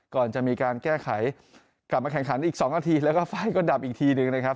ก่อนจะมีการแก้ไขกลับมาแข่งขันอีก๒นาทีแล้วก็ไฟก็ดับอีกทีหนึ่งนะครับ